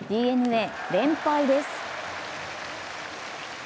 ＤｅＮＡ、連敗です。